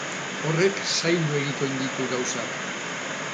Horrek zaildu egiten ditu gauzak.